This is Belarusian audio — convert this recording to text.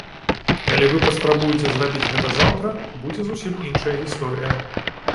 Калі вы паспрабуеце зрабіць гэта заўтра, будзе зусім іншая гісторыя.